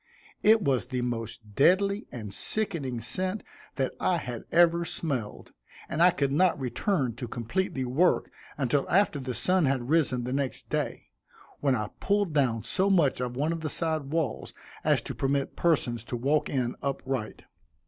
It was the most deadly and sickening scent that I have ever smelled, and I could not return to complete the work until after the sun had risen the next day, when I pulled down so much of one of the side walls, as to permit persons to walk in upright.